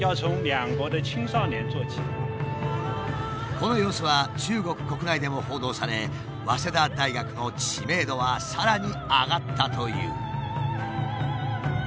この様子は中国国内でも報道され早稲田大学の知名度はさらに上がったという。